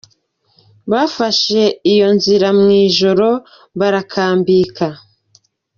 Bafashe iyo nzira mu ijoro barakambika.